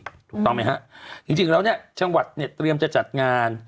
ถูกต้องไหมฮะจริงจริงแล้วเนี่ยจังหวัดเนี่ยเตรียมจะจัดงาน